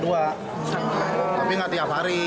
tapi nggak tiap hari